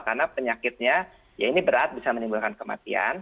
karena penyakitnya ya ini berat bisa menimbulkan kematian